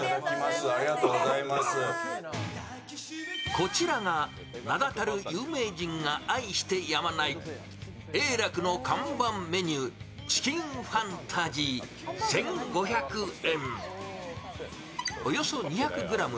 こちらが、名だたる有名人が愛してやまないえいらくの看板メニューチキンファンタジー、１５００円。